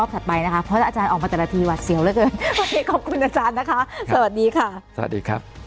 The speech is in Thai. สวัสดีครับ